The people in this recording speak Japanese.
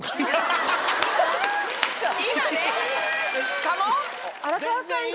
今ね！かもう。